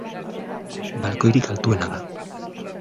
Balkoirik altuena da.